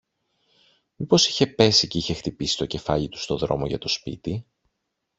Μήπως είχε πέσει κι είχε χτυπήσει το κεφάλι του στο δρόμο για το σπίτι